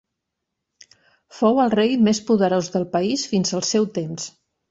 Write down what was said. Fou el rei més poderós del país fins al seu temps.